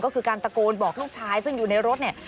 ก็คือการตะโกนบอกลูกชายซึ่งอยู่ในรถเนี่ย